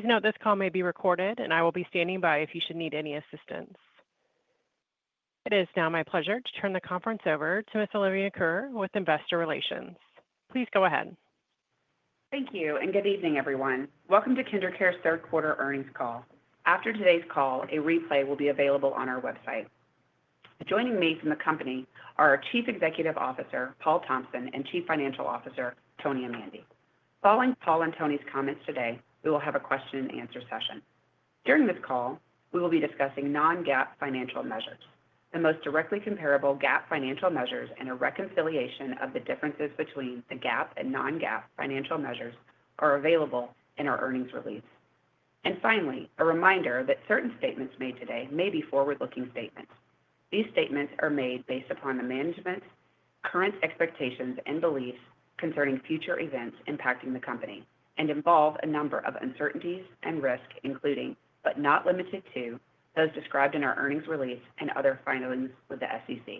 Please note this call may be recorded, and I will be standing by if you should need any assistance. It is now my pleasure to turn the conference over to Ms. Olivia Kirrer with Investor Relations. Please go ahead. Thank you, and good evening, everyone. Welcome to KinderCare's third quarter earnings call. After today's call, a replay will be available on our website. Joining me from the company are our Chief Executive Officer, Paul Thompson, and Chief Financial Officer, Tony Amandi. Following Paul and Tony's comments today, we will have a question-and-answer session. During this call, we will be discussing non-GAAP financial measures. The most directly comparable GAAP financial measures and a reconciliation of the differences between the GAAP and non-GAAP financial measures are available in our earnings release. And finally, a reminder that certain statements made today may be forward-looking statements. These statements are made based upon the management's current expectations and beliefs concerning future events impacting the company and involve a number of uncertainties and risks, including, but not limited to, those described in our earnings release and other filings with the SEC.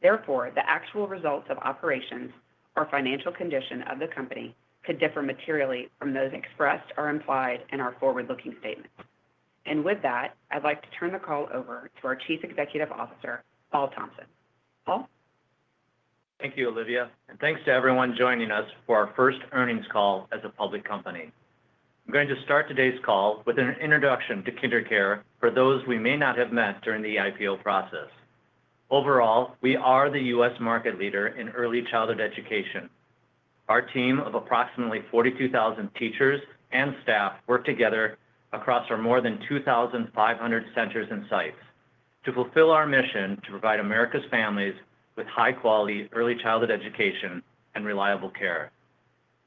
Therefore, the actual results of operations or financial condition of the company could differ materially from those expressed or implied in our forward-looking statements. And with that, I'd like to turn the call over to our Chief Executive Officer, Paul Thompson. Paul? Thank you, Olivia, and thanks to everyone joining us for our first earnings call as a public company. I'm going to start today's call with an introduction to KinderCare for those we may not have met during the IPO process. Overall, we are the U.S. market leader in early childhood education. Our team of approximately 42,000 teachers and staff work together across our more than 2,500 centers and sites to fulfill our mission to provide America's families with high-quality early childhood education and reliable care.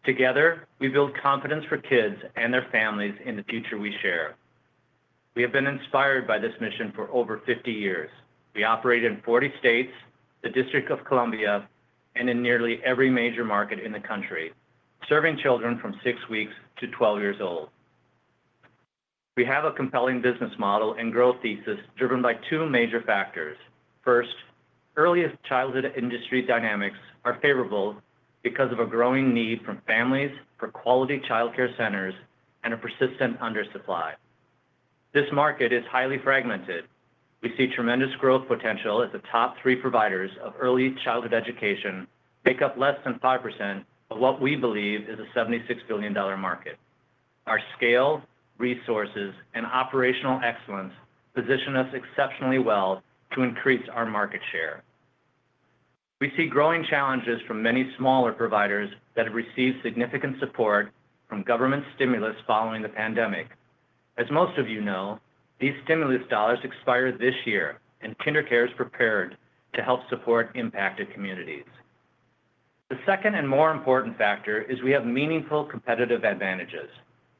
Together, we build confidence for kids and their families in the future we share. We have been inspired by this mission for over 50 years. We operate in 40 states, the District of Columbia, and in nearly every major market in the country, serving children from six weeks to 12 years old. We have a compelling business model and growth thesis driven by two major factors. First, early childhood industry dynamics are favorable because of a growing need from families for quality childcare centers and a persistent undersupply. This market is highly fragmented. We see tremendous growth potential as the top three providers of early childhood education make up less than 5% of what we believe is a $76 billion market. Our scale, resources, and operational excellence position us exceptionally well to increase our market share. We see growing challenges from many smaller providers that have received significant support from government stimulus following the pandemic. As most of you know, these stimulus dollars expire this year, and KinderCare is prepared to help support impacted communities. The second and more important factor is we have meaningful competitive advantages.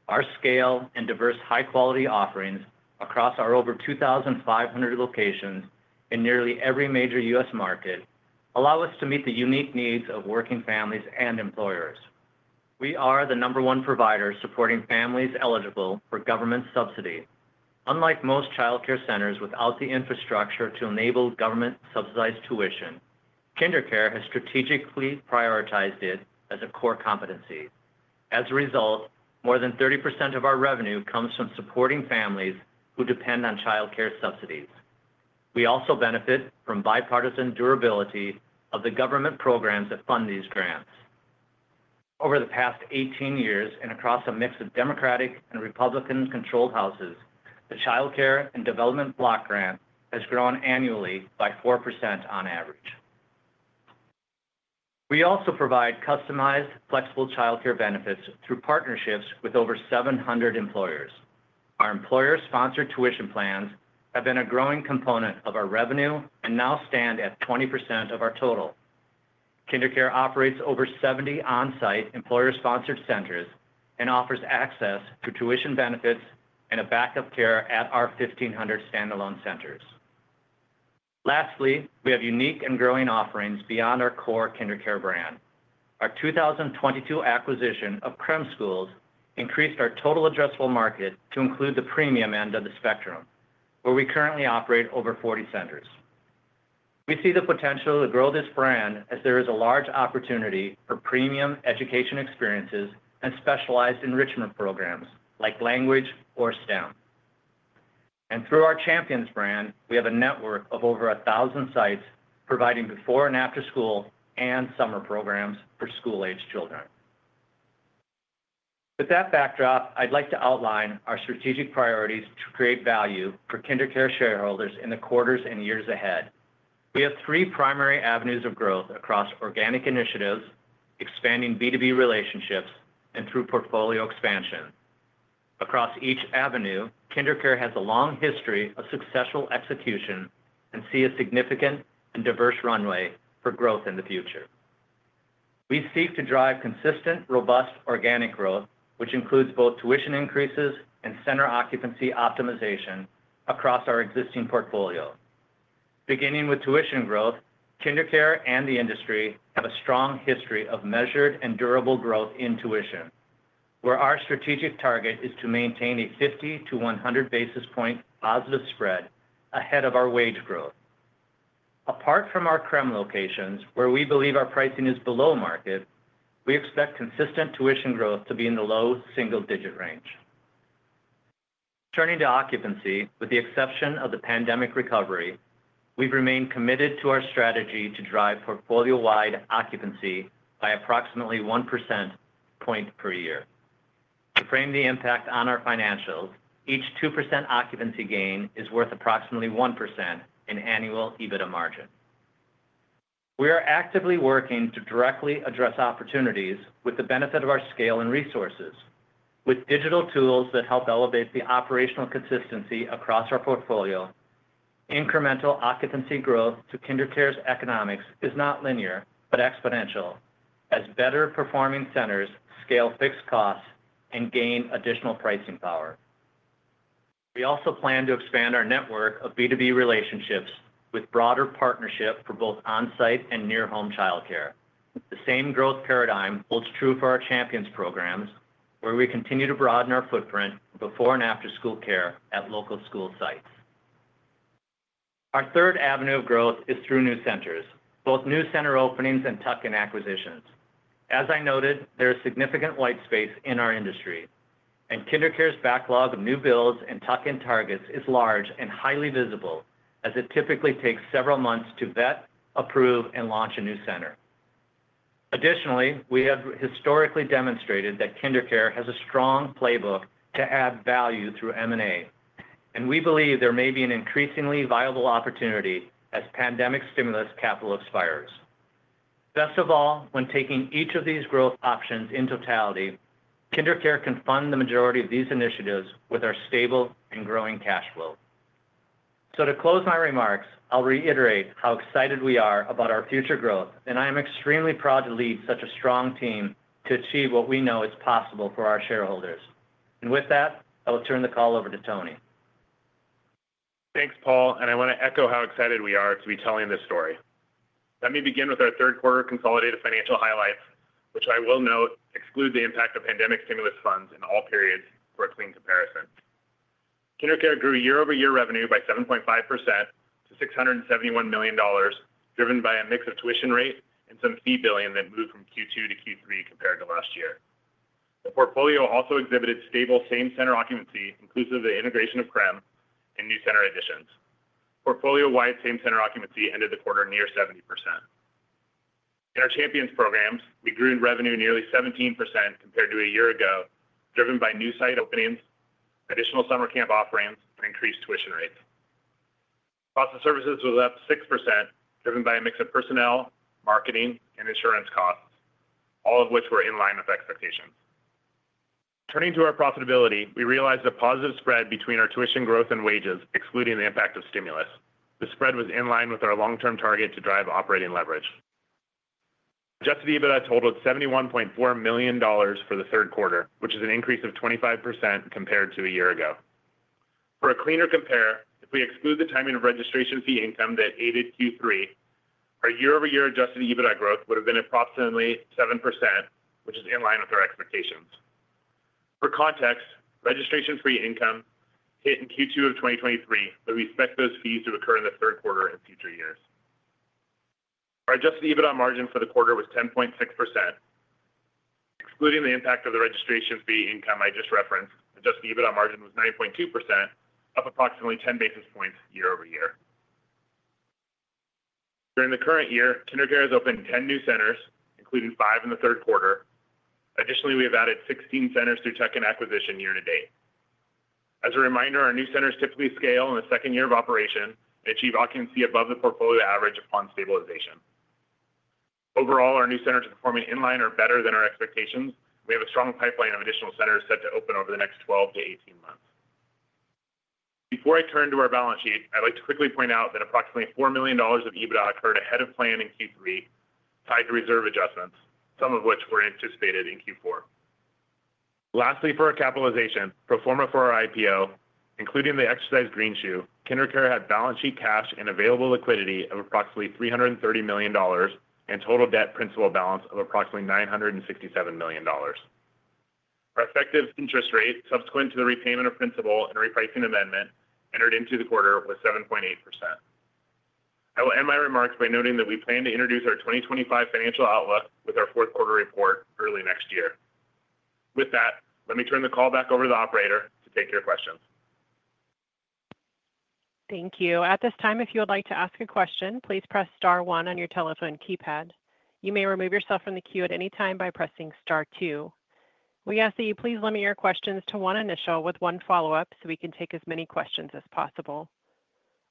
Our scale and diverse high-quality offerings across our over 2,500 locations in nearly every major U.S. market allow us to meet the unique needs of working families and employers. We are the number one provider supporting families eligible for government subsidy. Unlike most childcare centers without the infrastructure to enable government-subsidized tuition, KinderCare has strategically prioritized it as a core competency. As a result, more than 30% of our revenue comes from supporting families who depend on childcare subsidies. We also benefit from bipartisan durability of the government programs that fund these grants. Over the past 18 years and across a mix of Democratic and Republican-controlled houses, the Child Care and Development Block Grant has grown annually by 4% on average. We also provide customized, flexible childcare benefits through partnerships with over 700 employers. Our employer-sponsored tuition plans have been a growing component of our revenue and now stand at 20% of our total. KinderCare operates over 70 on-site employer-sponsored centers and offers access to tuition benefits and a backup care at our 1,500 standalone centers. Lastly, we have unique and growing offerings beyond our core KinderCare brand. Our 2022 acquisition of Crème Schools increased our total addressable market to include the premium end of the spectrum, where we currently operate over 40 centers. We see the potential to grow this brand as there is a large opportunity for premium education experiences and specialized enrichment programs like language or STEM. And through our Champions brand, we have a network of over 1,000 sites providing before- and after-school and summer programs for school-aged children. With that backdrop, I'd like to outline our strategic priorities to create value for KinderCare shareholders in the quarters and years ahead. We have three primary avenues of growth across organic initiatives, expanding B2B relationships, and through portfolio expansion. Across each avenue, KinderCare has a long history of successful execution and sees a significant and diverse runway for growth in the future. We seek to drive consistent, robust organic growth, which includes both tuition increases and center occupancy optimization across our existing portfolio. Beginning with tuition growth, KinderCare and the industry have a strong history of measured and durable growth in tuition, where our strategic target is to maintain a 50-100 basis point positive spread ahead of our wage growth. Apart from our Crème locations, where we believe our pricing is below market, we expect consistent tuition growth to be in the low single-digit range. Turning to occupancy, with the exception of the pandemic recovery, we've remained committed to our strategy to drive portfolio-wide occupancy by approximately one percentage point per year. To frame the impact on our financials, each 2% occupancy gain is worth approximately 1% in annual EBITDA margin. We are actively working to directly address opportunities with the benefit of our scale and resources. With digital tools that help elevate the operational consistency across our portfolio, incremental occupancy growth to KinderCare's economics is not linear but exponential, as better-performing centers scale fixed costs and gain additional pricing power. We also plan to expand our network of B2B relationships with broader partnerships for both on-site and near-home childcare. The same growth paradigm holds true for our Champions programs, where we continue to broaden our footprint for before- and after-school care at local school sites. Our third avenue of growth is through new centers, both new center openings and tuck-in acquisitions. As I noted, there is significant white space in our industry, and KinderCare's backlog of new builds and tuck-in targets is large and highly visible, as it typically takes several months to vet, approve, and launch a new center. Additionally, we have historically demonstrated that KinderCare has a strong playbook to add value through M&A, and we believe there may be an increasingly viable opportunity as pandemic stimulus capital expires. Best of all, when taking each of these growth options in totality, KinderCare can fund the majority of these initiatives with our stable and growing cash flow. So to close my remarks, I'll reiterate how excited we are about our future growth, and I am extremely proud to lead such a strong team to achieve what we know is possible for our shareholders. With that, I will turn the call over to Tony. Thanks, Paul, and I want to echo how excited we are to be telling this story. Let me begin with our third quarter consolidated financial highlights, which I will note exclude the impact of pandemic stimulus funds in all periods for a clean comparison. KinderCare grew year-over-year revenue by 7.5% to $671 million, driven by a mix of tuition rate and some fee billing that moved from Q2 to Q3 compared to last year. The portfolio also exhibited stable same-center occupancy, inclusive of the integration of Crème and new center additions. Portfolio-wide same-center occupancy ended the quarter near 70%. In our Champions programs, we grew in revenue nearly 17% compared to a year ago, driven by new site openings, additional summer camp offerings, and increased tuition rates. Cost of services was up 6%, driven by a mix of personnel, marketing, and insurance costs, all of which were in line with expectations. Turning to our profitability, we realized a positive spread between our tuition growth and wages, excluding the impact of stimulus. The spread was in line with our long-term target to drive operating leverage. Adjusted EBITDA totaled $71.4 million for the third quarter, which is an increase of 25% compared to a year ago. For a cleaner compare, if we exclude the timing of registration fee income that aided Q3, our year-over-year adjusted EBITDA growth would have been approximately 7%, which is in line with our expectations. For context, registration fee income hit in Q2 of 2023, but we expect those fees to occur in the third quarter and future years. Our adjusted EBITDA margin for the quarter was 10.6%. Excluding the impact of the registration fee income I just referenced, adjusted EBITDA margin was 9.2%, up approximately 10 basis points year-over-year. During the current year, KinderCare has opened 10 new centers, including five in the third quarter. Additionally, we have added 16 centers through tuck-in acquisition year to date. As a reminder, our new centers typically scale in the second year of operation and achieve occupancy above the portfolio average upon stabilization. Overall, our new centers are performing in line or better than our expectations, and we have a strong pipeline of additional centers set to open over the next 12 to 18 months. Before I turn to our balance sheet, I'd like to quickly point out that approximately $4 million of EBITDA occurred ahead of plan in Q3, tied to reserve adjustments, some of which were anticipated in Q4. Lastly, for our capitalization, pro forma for our IPO, including the exercise of greenshoe, KinderCare had balance sheet cash and available liquidity of approximately $330 million and total debt principal balance of approximately $967 million. Our effective interest rate, subsequent to the repayment of principal and repricing amendment, entered into the quarter with 7.8%. I will end my remarks by noting that we plan to introduce our 2025 financial outlook with our fourth quarter report early next year. With that, let me turn the call back over to the operator to take your questions. Thank you. At this time, if you would like to ask a question, please press star one on your telephone keypad. You may remove yourself from the queue at any time by pressing star two. We ask that you please limit your questions to one initial with one follow-up so we can take as many questions as possible.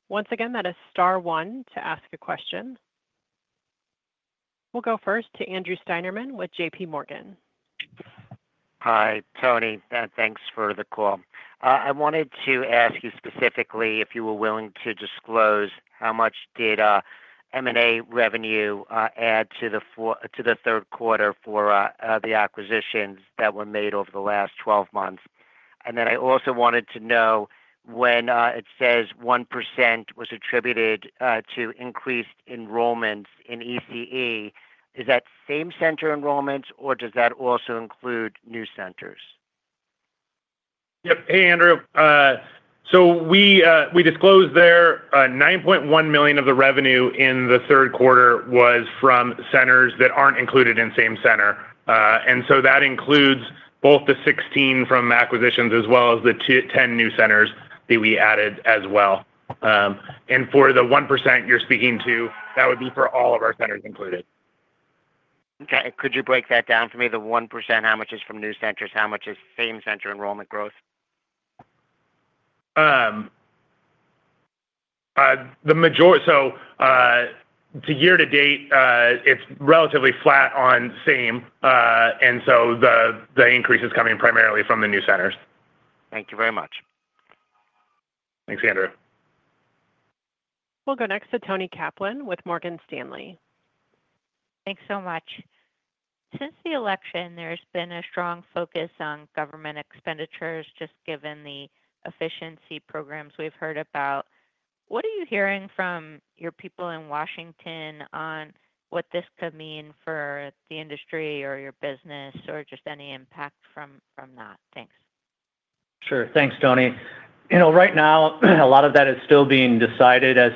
Once again, that is star one to ask a question. We'll go first to Andrew Steinerman with JPMorgan. Hi, Tony, and thanks for the call. I wanted to ask you specifically if you were willing to disclose how much did M&A revenue add to the third quarter for the acquisitions that were made over the last 12 months. And then I also wanted to know when it says 1% was attributed to increased enrollments in ECE, is that same-center enrollments, or does that also include new centers? Yep. Hey, Andrew. So we disclosed there $9.1 million of the revenue in the third quarter was from centers that aren't included in same-center. And so that includes both the 16 from acquisitions as well as the 10 new centers that we added as well. And for the 1% you're speaking to, that would be for all of our centers included. Okay. Could you break that down for me? The 1%, how much is from new centers? How much is same-center enrollment growth? So, year to date, it's relatively flat on same, and so the increase is coming primarily from the new centers. Thank you very much. Thanks, Andrew. We'll go next to Toni Kaplan with Morgan Stanley. Thanks so much. Since the election, there's been a strong focus on government expenditures just given the efficiency programs we've heard about. What are you hearing from your people in Washington on what this could mean for the industry or your business or just any impact from that? Thanks. Sure. Thanks, Toni. Right now, a lot of that is still being decided as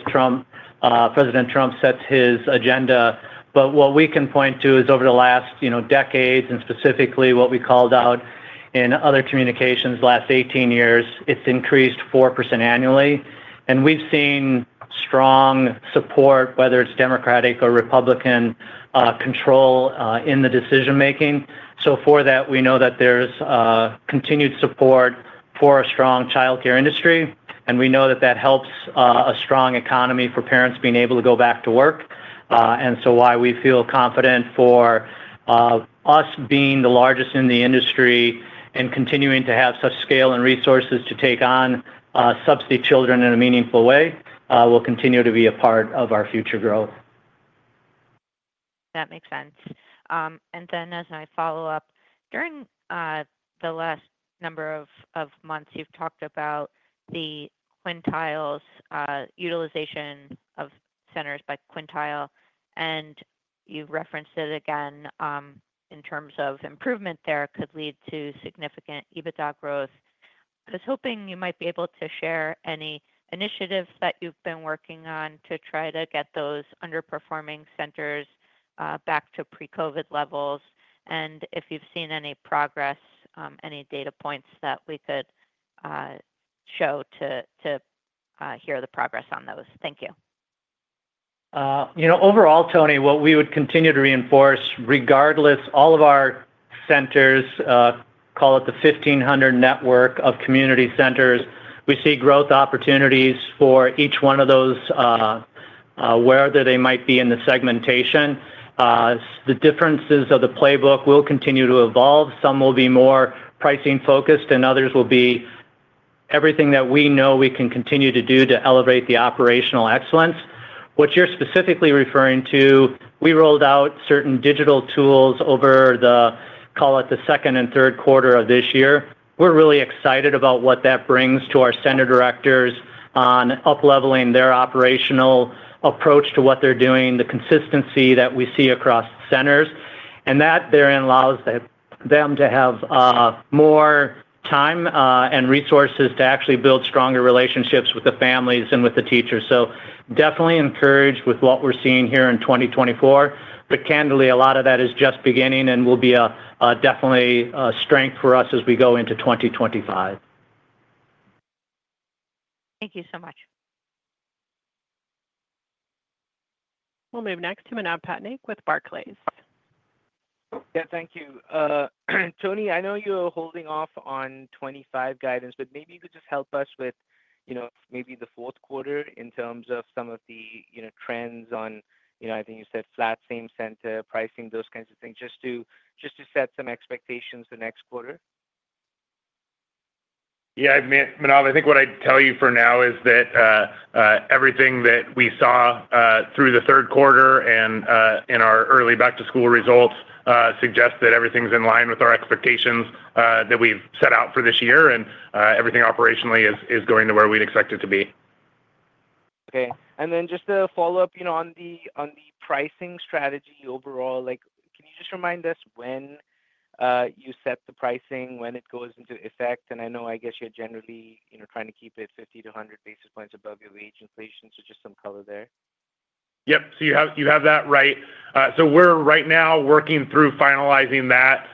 President Trump sets his agenda. But what we can point to is over the last decades, and specifically what we called out in other communications the last 18 years, it's increased 4% annually. And we've seen strong support, whether it's Democratic or Republican, control in the decision-making. So for that, we know that there's continued support for a strong childcare industry, and we know that that helps a strong economy for parents being able to go back to work. And so why we feel confident for us being the largest in the industry and continuing to have such scale and resources to take on subsidy children in a meaningful way will continue to be a part of our future growth. That makes sense. And then as my follow-up, during the last number of months, you've talked about the quintiles utilization of centers by quintile, and you referenced it again in terms of improvement there could lead to significant EBITDA growth. I was hoping you might be able to share any initiatives that you've been working on to try to get those underperforming centers back to pre-COVID levels. And if you've seen any progress, any data points that we could show to hear the progress on those. Thank you. Overall, Toni, what we would continue to reinforce regardless, all of our centers, call it the 1,500 network of community centers, we see growth opportunities for each one of those, wherever they might be in the segmentation. The differences of the playbook will continue to evolve. Some will be more pricing-focused, and others will be everything that we know we can continue to do to elevate the operational excellence. What you're specifically referring to, we rolled out certain digital tools over, call it the second and third quarter of this year. We're really excited about what that brings to our center directors on up-leveling their operational approach to what they're doing, the consistency that we see across centers, and that therein allows them to have more time and resources to actually build stronger relationships with the families and with the teachers. So definitely encouraged with what we're seeing here in 2024. But candidly, a lot of that is just beginning and will be definitely a strength for us as we go into 2025. Thank you so much. We'll move next to Manav Patnaik with Barclays. Yeah, thank you. Tony, I know you're holding off on 2025 guidance, but maybe you could just help us with maybe the fourth quarter in terms of some of the trends on, I think you said, flat same-center pricing, those kinds of things, just to set some expectations for next quarter? Yeah, Manav, I think what I'd tell you for now is that everything that we saw through the third quarter and in our early back-to-school results suggests that everything's in line with our expectations that we've set out for this year, and everything operationally is going to where we'd expect it to be. Okay, and then just to follow up on the pricing strategy overall, can you just remind us when you set the pricing, when it goes into effect, and I know, I guess you're generally trying to keep it 50-100 basis points above your wage inflation, so just some color there. Yep, so you have that right, so we're right now working through finalizing that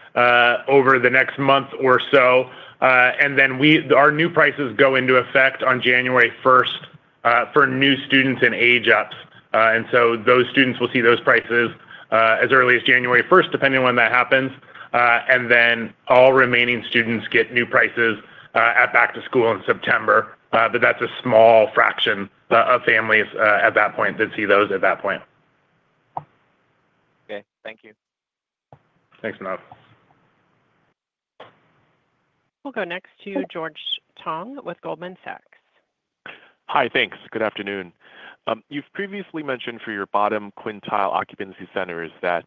over the next month or so, and then our new prices go into effect on January 1st for new students and age-ups, and so those students will see those prices as early as January 1st, depending on when that happens, and then all remaining students get new prices at back-to-school in September, but that's a small fraction of families at that point that see those at that point. Okay. Thank you. Thanks, Manav. We'll go next to George Tong with Goldman Sachs. Hi, thanks. Good afternoon. You've previously mentioned for your bottom quintile occupancy centers that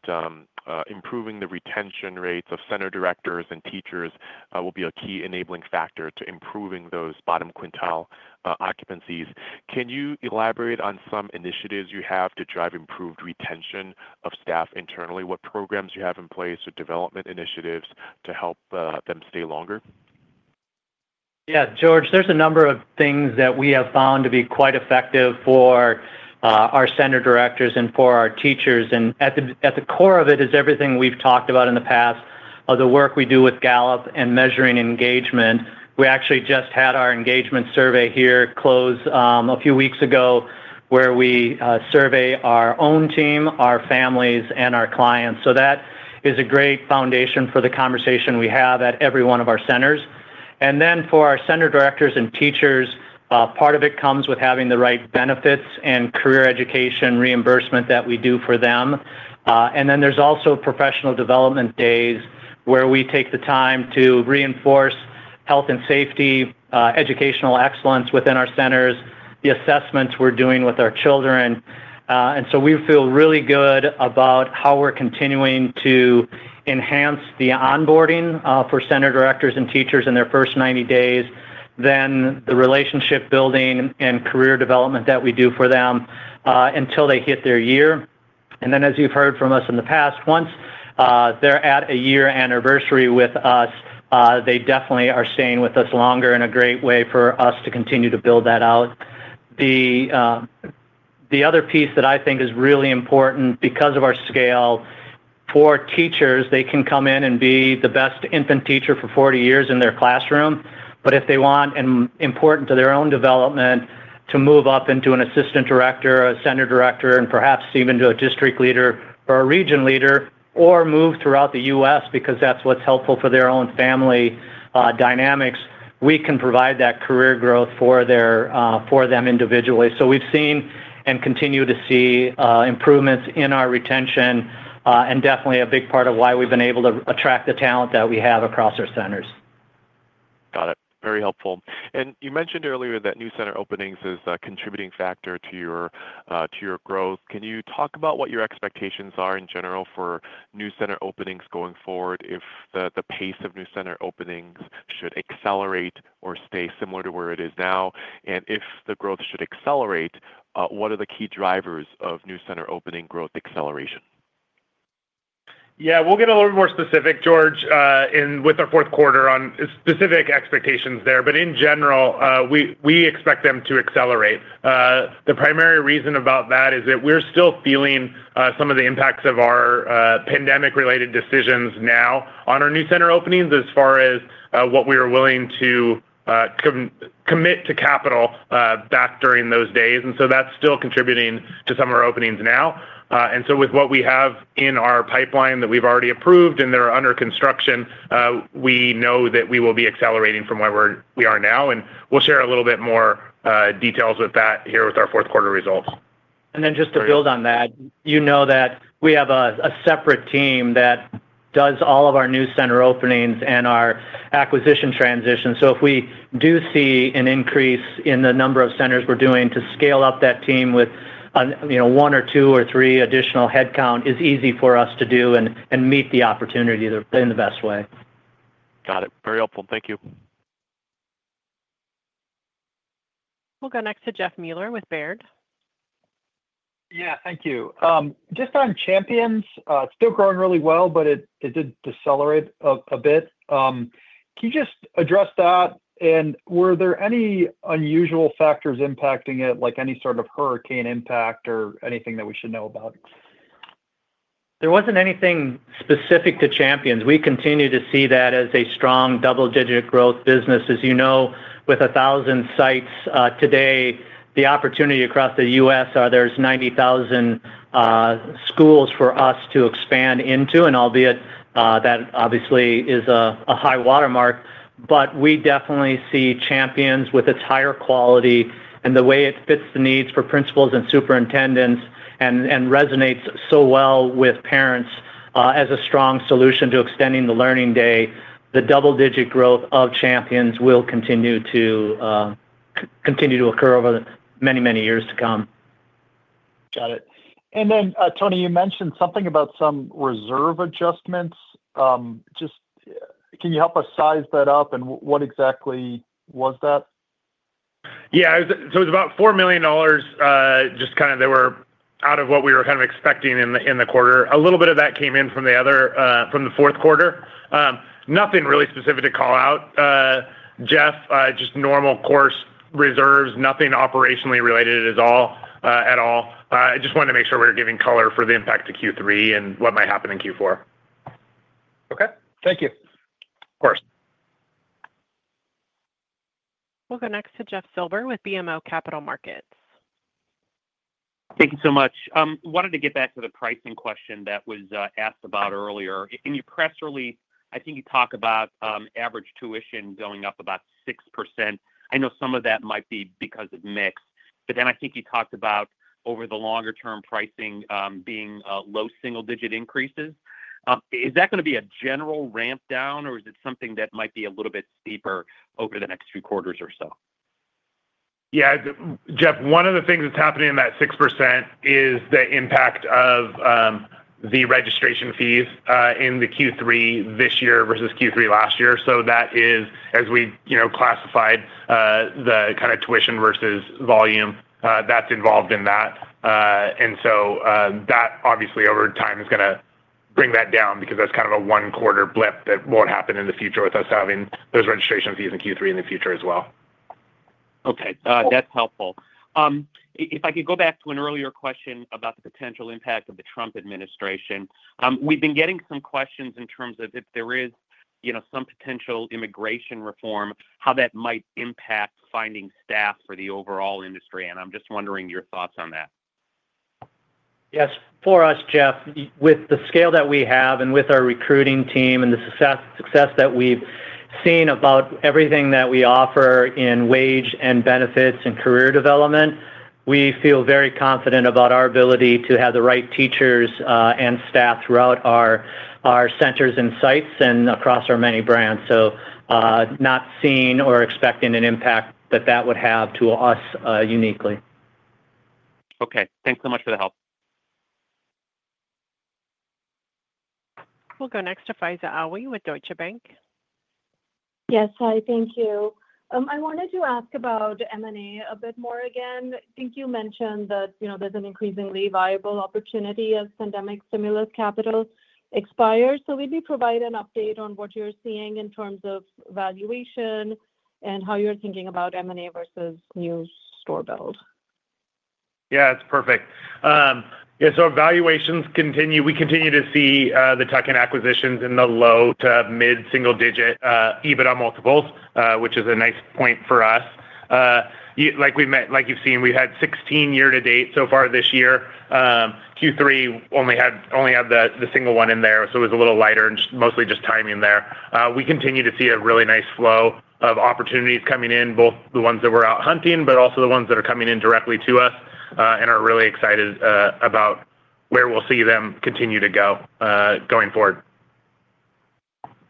improving the retention rates of center directors and teachers will be a key enabling factor to improving those bottom quintile occupancies. Can you elaborate on some initiatives you have to drive improved retention of staff internally? What programs you have in place or development initiatives to help them stay longer? Yeah, George, there's a number of things that we have found to be quite effective for our center directors and for our teachers. And at the core of it is everything we've talked about in the past, the work we do with Gallup and measuring engagement. We actually just had our engagement survey here close a few weeks ago where we survey our own team, our families, and our clients. So that is a great foundation for the conversation we have at every one of our centers. And then for our center directors and teachers, part of it comes with having the right benefits and career education reimbursement that we do for them. And then there's also professional development days where we take the time to reinforce health and safety, educational excellence within our centers, the assessments we're doing with our children. And so we feel really good about how we're continuing to enhance the onboarding for center directors and teachers in their first 90 days, then the relationship building and career development that we do for them until they hit their year. And then as you've heard from us in the past, once they're at a year anniversary with us, they definitely are staying with us longer in a great way for us to continue to build that out. The other piece that I think is really important because of our scale, for teachers, they can come in and be the best infant teacher for 40 years in their classroom. But if they want and are important to their own development to move up into an assistant director, a center director, and perhaps even to a district leader or a region leader or move throughout the U.S. because that's what's helpful for their own family dynamics, we can provide that career growth for them individually. So we've seen and continue to see improvements in our retention and definitely a big part of why we've been able to attract the talent that we have across our centers. Got it. Very helpful. And you mentioned earlier that new center openings is a contributing factor to your growth. Can you talk about what your expectations are in general for new center openings going forward, if the pace of new center openings should accelerate or stay similar to where it is now? And if the growth should accelerate, what are the key drivers of new center opening growth acceleration? Yeah, we'll get a little more specific, George, with our fourth quarter on specific expectations there, but in general, we expect them to accelerate. The primary reason about that is that we're still feeling some of the impacts of our pandemic-related decisions now on our new center openings as far as what we are willing to commit to capital back during those days, and so that's still contributing to some of our openings now, and so with what we have in our pipeline that we've already approved and that are under construction, we know that we will be accelerating from where we are now, and we'll share a little bit more details with that here with our fourth quarter results. And then just to build on that, you know that we have a separate team that does all of our new center openings and our acquisition transitions. So if we do see an increase in the number of centers we're doing, to scale up that team with one or two or three additional headcount is easy for us to do and meet the opportunity in the best way. Got it. Very helpful. Thank you. We'll go next to Jeff Meuler with Baird. Yeah, thank you. Just on Champions, it's still growing really well, but it did decelerate a bit. Can you just address that? And were there any unusual factors impacting it, like any sort of hurricane impact or anything that we should know about? There wasn't anything specific to Champions. We continue to see that as a strong double-digit growth business. As you know, with 1,000 sites today, the opportunity across the U.S., there's 90,000 schools for us to expand into, and albeit that obviously is a high watermark. But we definitely see Champions with its higher quality and the way it fits the needs for principals and superintendents and resonates so well with parents as a strong solution to extending the learning day. The double-digit growth of Champions will continue to occur over many, many years to come. Got it. And then, Tony, you mentioned something about some reserve adjustments. Can you help us size that up, and what exactly was that? Yeah. So it was about $4 million, just kind of out of what we were kind of expecting in the quarter. A little bit of that came in from the fourth quarter. Nothing really specific to call out, Jeff, just normal course reserves, nothing operationally related at all. I just wanted to make sure we were giving color for the impact to Q3 and what might happen in Q4. Okay. Thank you. Of course. We'll go next to Jeff Silber with BMO Capital Markets. Thank you so much. Wanted to get back to the pricing question that was asked about earlier. In your press release, I think you talk about average tuition going up about 6%. I know some of that might be because of mix. But then I think you talked about over the longer-term pricing being low single-digit increases. Is that going to be a general ramp down, or is it something that might be a little bit steeper over the next few quarters or so? Yeah, Jeff, one of the things that's happening in that 6% is the impact of the registration fees in the Q3 this year versus Q3 last year, so that is, as we classified the kind of tuition versus volume, that's involved in that, and so that, obviously, over time is going to bring that down because that's kind of a one-quarter blip that won't happen in the future with us having those registration fees in Q3 in the future as well. Okay. That's helpful. If I could go back to an earlier question about the potential impact of the Trump administration, we've been getting some questions in terms of if there is some potential immigration reform, how that might impact finding staff for the overall industry, and I'm just wondering your thoughts on that. Yes. For us, Jeff, with the scale that we have and with our recruiting team and the success that we've seen about everything that we offer in wage and benefits and career development, we feel very confident about our ability to have the right teachers and staff throughout our centers and sites and across our many brands. So not seeing or expecting an impact that that would have to us uniquely. Okay. Thanks so much for the help. We'll go next to Faiza Alwy with Deutsche Bank. Yes, hi. Thank you. I wanted to ask about M&A a bit more again. I think you mentioned that there's an increasingly viable opportunity as pandemic stimulus capital expires. So maybe provide an update on what you're seeing in terms of valuation and how you're thinking about M&A versus new store build? Yeah, that's perfect. Yeah, so valuations continue. We continue to see the tuck-in acquisitions in the low to mid single-digit EBITDA multiples, which is a nice point for us. Like you've seen, we've had 16 year-to-date so far this year. Q3 only had the single one in there, so it was a little lighter and mostly just timing there. We continue to see a really nice flow of opportunities coming in, both the ones that we're out hunting, but also the ones that are coming in directly to us and are really excited about where we'll see them continue to go going forward.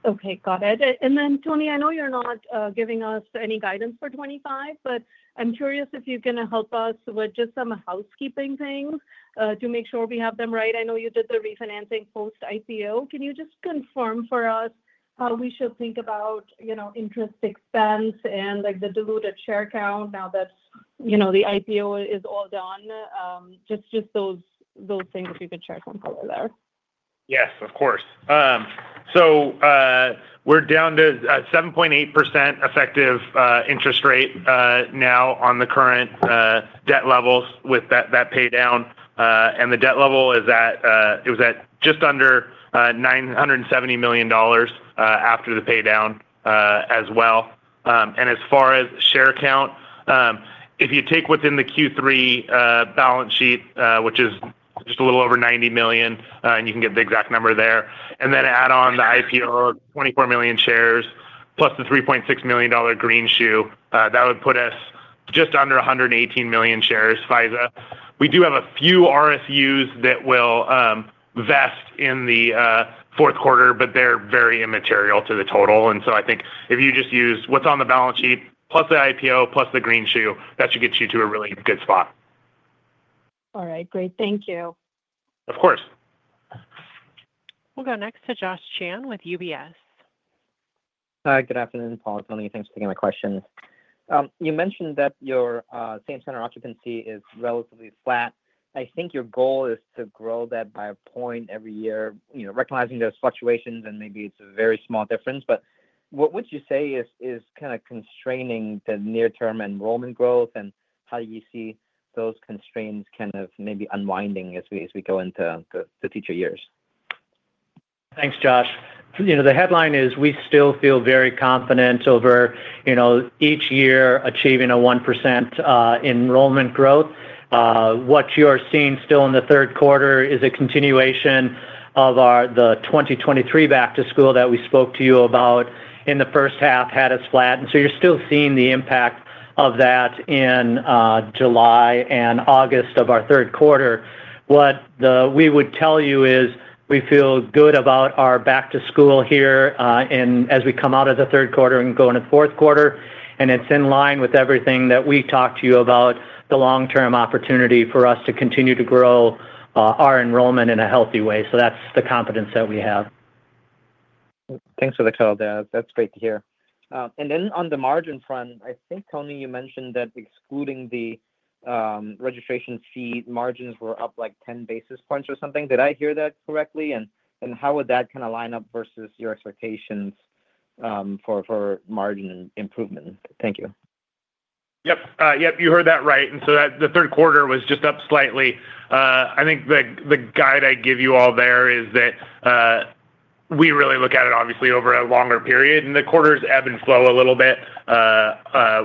Okay. Got it. And then, Tony, I know you're not giving us any guidance for 2025, but I'm curious if you're going to help us with just some housekeeping things to make sure we have them right. I know you did the refinancing post-IPO. Can you just confirm for us how we should think about interest expense and the diluted share count now that the IPO is all done? Just those things if you could share some color there. Yes, of course, so we're down to 7.8% effective interest rate now on the current debt levels with that paydown, and the debt level is at it was at just under $970 million after the paydown as well, and as far as share count, if you take what's in the Q3 balance sheet, which is just a little over 90 million, and you can get the exact number there, and then add on the IPO of 24 million shares plus the $3.6 million greenshoe, that would put us just under 118 million shares, Faiza. We do have a few RSUs that will vest in the fourth quarter, but they're very immaterial to the total, and so I think if you just use what's on the balance sheet plus the IPO plus the greenshoe, that should get you to a really good spot. All right. Great. Thank you. Of course. We'll go next to Josh Chan with UBS. Hi. Good afternoon, Paul, Tony. Thanks for taking my questions. You mentioned that your same-center occupancy is relatively flat. I think your goal is to grow that by a point every year, recognizing those fluctuations, and maybe it's a very small difference. But what would you say is kind of constraining the near-term enrollment growth, and how do you see those constraints kind of maybe unwinding as we go into the future years? Thanks, Josh. The headline is, we still feel very confident over each year achieving a 1% enrollment growth. What you're seeing still in the third quarter is a continuation of the 2023 back-to-school that we spoke to you about in the first half, had us flat. And so you're still seeing the impact of that in July and August of our third quarter. What we would tell you is we feel good about our back-to-school here as we come out of the third quarter and go into the fourth quarter. And it's in line with everything that we talked to you about, the long-term opportunity for us to continue to grow our enrollment in a healthy way. So that's the confidence that we have. Thanks for the detail there. That's great to hear. And then on the margin front, I think, Tony, you mentioned that excluding the registration fee, margins were up like 10 basis points or something. Did I hear that correctly? And how would that kind of line up versus your expectations for margin improvement? Thank you. Yep. Yep. You heard that right. And so the third quarter was just up slightly. I think the guide I give you all there is that we really look at it, obviously, over a longer period. And the quarters ebb and flow a little bit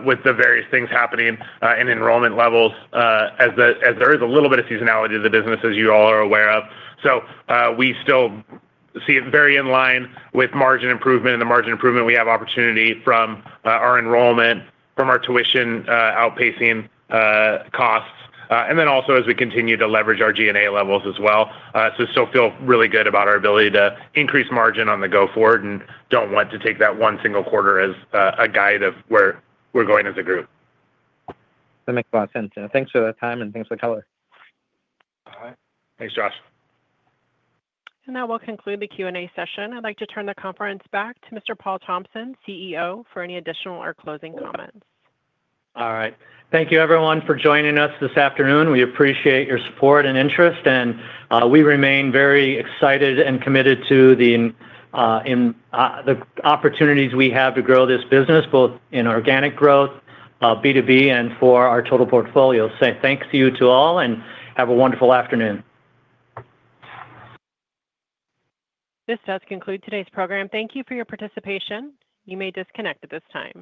with the various things happening in enrollment levels as there is a little bit of seasonality to the business, as you all are aware of. So we still see it very in line with margin improvement. In the margin improvement, we have opportunity from our enrollment, from our tuition outpacing costs, and then also as we continue to leverage our G&A levels as well. So still feel really good about our ability to increase margin on the go forward and don't want to take that one single quarter as a guide of where we're going as a group. That makes a lot of sense. And thanks for the time and thanks for the color. All right. Thanks, Josh. That will conclude the Q&A session. I'd like to turn the conference back to Mr. Paul Thompson, CEO, for any additional or closing comments. All right. Thank you, everyone, for joining us this afternoon. We appreciate your support and interest, and we remain very excited and committed to the opportunities we have to grow this business, both in organic growth, B2B, and for our total portfolio, so thanks to you all, and have a wonderful afternoon. This does conclude today's program. Thank you for your participation. You may disconnect at this time.